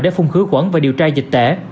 để phung khứ quẩn và điều tra dịch tễ